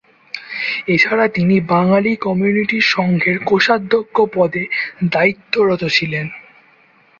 এছাড়া তিনি বাঙালি কমিউনিটি সংঘের কোষাধ্যক্ষ পদে দায়িত্বরত ছিলেন।